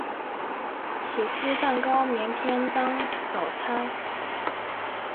起司蛋糕明天当早餐